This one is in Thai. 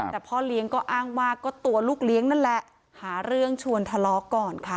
แต่พ่อเลี้ยงก็อ้างว่าก็ตัวลูกเลี้ยงนั่นแหละหาเรื่องชวนทะเลาะก่อนค่ะ